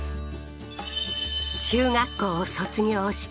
中学校を卒業した